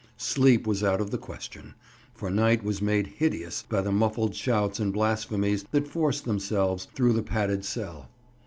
Sleep was out of the question, for night was made hideous by the muffled shouts and blasphemies that forced themselves through the padded cell.